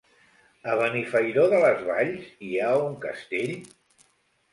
A Benifairó de les Valls hi ha un castell?